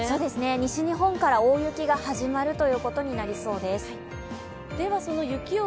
西日本から大雪が始まることになりそうです。